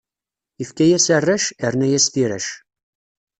Ifka-yas arrac, irna-yas tirac.